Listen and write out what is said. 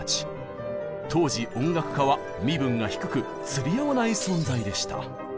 当時音楽家は身分が低く釣り合わない存在でした。